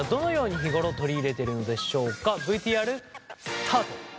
ＶＴＲスタート。